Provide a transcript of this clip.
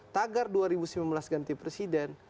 tagar dua ribu sembilan belas ganti presiden